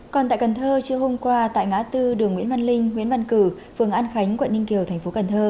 còn tại cần thơ chiều hôm qua tại ngã tư đường nguyễn văn linh nguyễn văn cử phường an khánh quận ninh kiều tp cn